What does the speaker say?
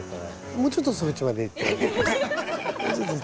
もうちょっとそっちまで。